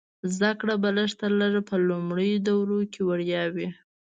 زده کړه به لږ تر لږه په لومړنیو دورو کې وړیا وي.